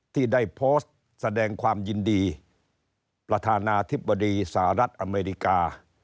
ที่ได้โพสต์แสดงความยินดีประธานาธิบดีสหรัฐอเมริกา